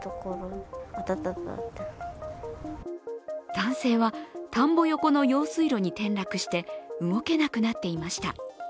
男性は田んぼ横の用水路に転落して動けなくなっていました。